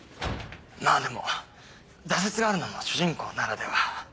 まぁでも挫折があるのも主人公ならでは。